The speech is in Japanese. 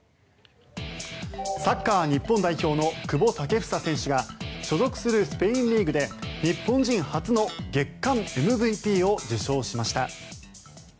サッカー日本代表の久保建英選手が所属するスペインリーグで日本人初の月間ＭＶＰを受賞しました。